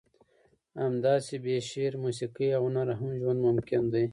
همداسې بې شعر، موسیقي او هنره هم ژوند ممکن دی.